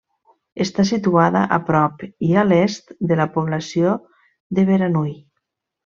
Està situada a prop i a l'est de la població de Beranui.